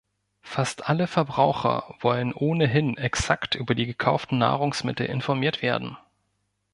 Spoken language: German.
Fast alle Verbraucher wollen ohnehin exakt über die gekauften Nahrungsmittel informiert werden.